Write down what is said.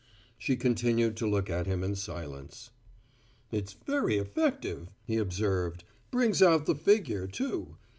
She continued to look at him in silence. "It's very effective," he observed. "Brings out the figure, too.